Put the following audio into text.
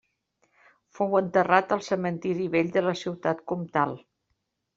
Fou enterrat al cementiri vell de la ciutat comtal.